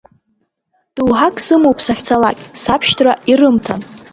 Доуҳак сымоуп сахьцалакь, сабшьҭра ирымҭан.